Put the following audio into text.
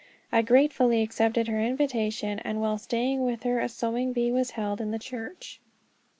I gratefully accepted her invitation, and while staying with her a sewing bee was held in the church.